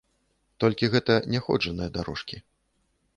Толькі гэта няходжаныя дарожкі.